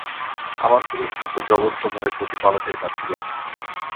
আমার পুরস্কার তো জগতসমূহের প্রতিপালকের কাছেই আছে।